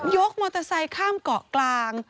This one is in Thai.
กมอเตอร์ไซค์ข้ามเกาะกลาง